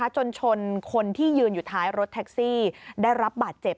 จนชนคนที่ยืนอยู่ท้ายรถแท็กซี่ได้รับบาดเจ็บ